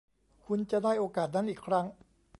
คุณจะได้โอกาสนั้นอีกครั้ง